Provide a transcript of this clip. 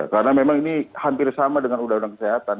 karena memang ini hampir sama dengan udara udara kesehatan